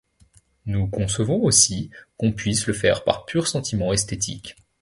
Nous concevons aussi qu'on puisse le faire par pur sentiment esthétique.